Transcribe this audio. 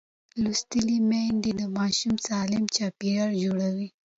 لوستې میندې د ماشوم سالم چاپېریال جوړوي.